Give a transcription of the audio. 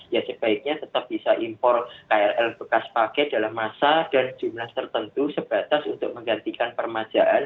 ya sebaiknya tetap bisa impor krl bekas pakai dalam masa dan jumlah tertentu sebatas untuk menggantikan permajaan